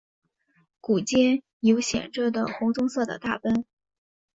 股间有显着的红棕色的大斑。